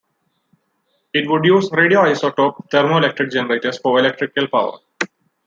It would use radioisotope thermoelectric generators for electrical power.